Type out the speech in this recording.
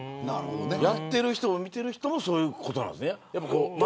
やっている人も見ている人もそういうことなんですね。